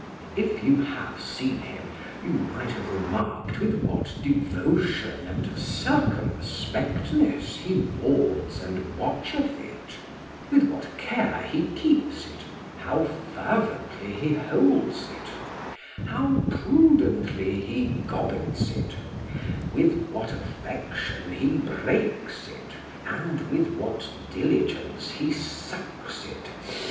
If you have seen him, you might have remarked with what devotion and circumspectness he wards and watcheth it: with what care he keeps it: how fervently he holds it: how prudently he gobbets it: with what affection he breaks it: and with what diligence he sucks it.